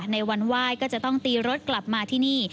ในวันไหว้ก็จะต้องตีรถกลับมาที่นี่